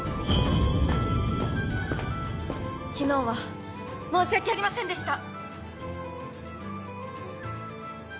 昨日は申し訳ありませんでした！